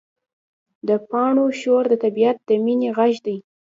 د پاڼو شور د طبیعت د مینې غږ دی.